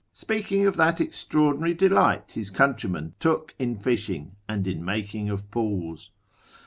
speaking of that extraordinary delight his countrymen took in fishing, and in making of pools.